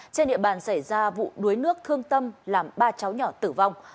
trên địa bàn xảy ra vụ đuối nước thương tâm làm ba cháu nhỏ tử vong